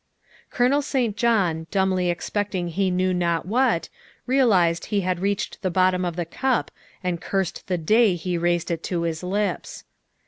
Colonel St. John, dumbly expecting he knew not what, realized he had reached the bottom of the cup and cursed the day he raised it to his lips.